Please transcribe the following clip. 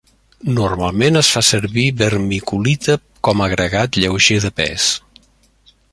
Normalment es fa servir vermiculita com agregat lleuger de pes.